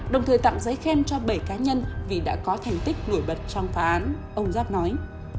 đồng thời tặng giấy khen cho bảy cá nhân vì đã có thành tích nổi bật trong phá án ông giáp nói